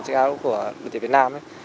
chiếc áo của đội tiểu việt nam